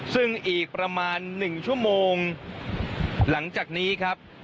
ซึ่งอีกประมาณ๑ชั่วโมงหลังจากนี้ครับ